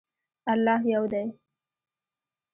الله یو دی.